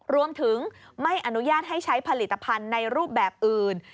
รวมถึงไม่อนุญาตให้ใช้ผลิตภัณฑ์ในรูปแบบอื่น